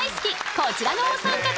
こちらのお三方。